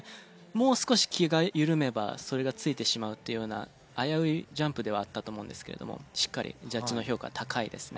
もう少し気が緩めばそれが付いてしまうっていうような危ういジャンプではあったと思うんですけれどもしっかりジャッジの評価は高いですね。